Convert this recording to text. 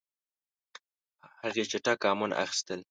هغې چټک ګامونه اخیستل.